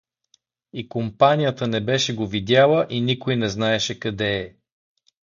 И компанията не беше го видяла и никой не знаеше къде е.